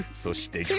そして。